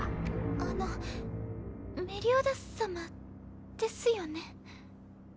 あのメリオダス様ですよね？